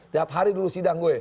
tiap hari dulu sidang gue